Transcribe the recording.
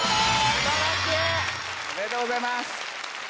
おめでとうございます！